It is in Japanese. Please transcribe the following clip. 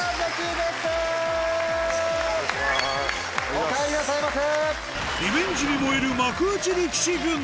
おかえりなさいませ。